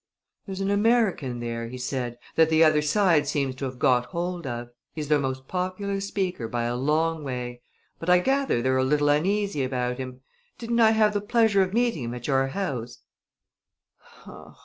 "There's an American there," he said, "that the other side seems to have got hold of. He's their most popular speaker by a long way; but I gather they're a little uneasy about him. Didn't I have the pleasure of meeting him at your house?"